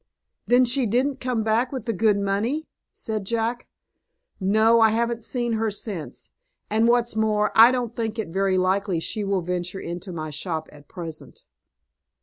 "Then she didn't come back with the good money?" said Jack. "No, I haven't seen her since; and, what's more, I don't think it very likely she will venture into my shop at present."